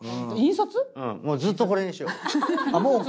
もうずっとこれにしよう。